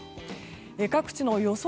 各地の予想